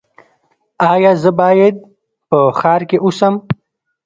ایا زه باید په ښار کې اوسم؟